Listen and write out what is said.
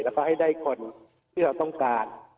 แล้วก็ให้ได้คนที่เราต้องการ